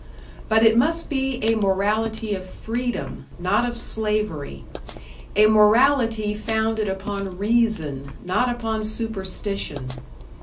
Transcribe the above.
But it must be a morality of freedom, not of slavery; a morality founded upon reason, not upon superstition.